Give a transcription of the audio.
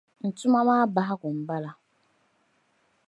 N tuma maa bahigu m-bala.